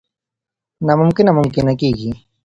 نا ممکنه ممکنه کېږي.